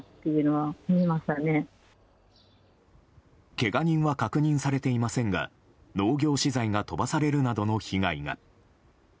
けが人は確認されていませんが農業資材が飛ばされるなどの被害が。